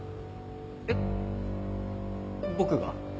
えっ僕が？